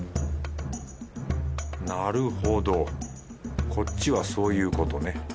なるほどこっちはそういうことね。